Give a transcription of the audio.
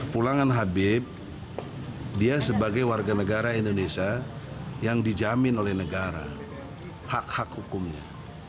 pulangan habib dia sebagai warga negara indonesia yang dijamin oleh negara hak hak hukumnya